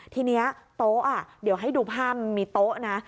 ทีนี้โต๊ะเดี๋ยวให้ดูภาพมันมีโต๊ะนะ